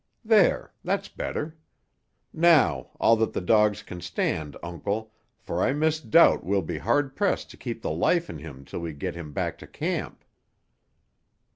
There; that's better. Now, all that the dogs can stand, Uncle, for I misdoubt we'll be hard pressed to keep the life in him till we get him back to camp."